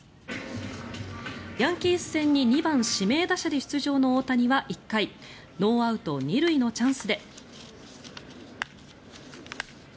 ヤンキース戦に２番指名打者で出場の大谷は１回ノーアウト２塁のチャンスで。